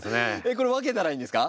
これ分けたらいいんですか？